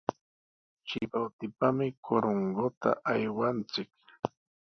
Chimbotepami Corongota aywanchik.